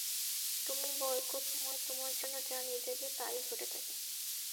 তুমি বরকতময় তোমার জন্য যা নির্ধারিত তা-ই ঘটে থাকে।